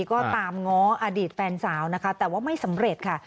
ก็ตามง้ออดีตแฟนสาวนะคะแต่ว่าไม่สำเร็จค่ะ